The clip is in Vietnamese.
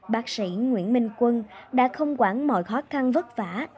bác sĩ nguyễn minh quân đã không quản mọi khó khăn vất vả